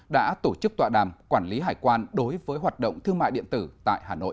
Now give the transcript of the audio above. đã tổ chức tọa đàm quản lý hải quan đối với hoạt động thương mại điện tử tại hà nội